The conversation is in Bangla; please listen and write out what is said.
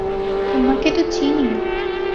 তোমাকে তো চিনি।